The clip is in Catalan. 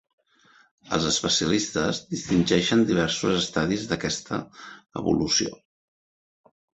Els especialistes distingeixen diversos estadis d'aquesta evolució.